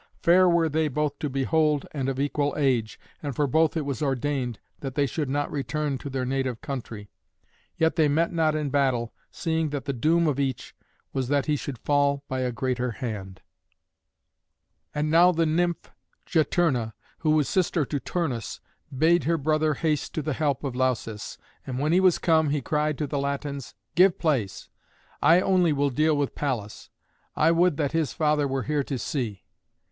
Fair were they both to behold and of equal age, and for both it was ordained that they should not return to their native country. Yet they met not in battle, seeing that the doom of each was that he should fall by a greater hand. And now the nymph Juturna, who was sister to Turnus, bade her brother haste to the help of Lausus. And when he was come, he cried to the Latins, "Give place: I only will deal with Pallas. I only would that his father were here to see."